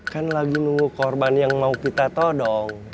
kan lagi nunggu korban yang mau kita todong